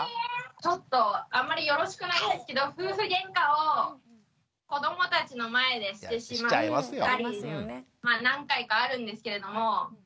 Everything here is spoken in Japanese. ちょっとあんまりよろしくないんですけど夫婦ゲンカを子どもたちの前でしてしまったり何回かあるんですけれども。